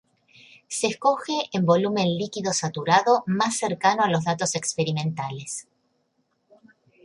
Se escoge en volumen líquido saturado más cercano a los datos experimentales.